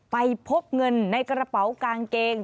ไปพบเงินในกระเป๋ากางเกง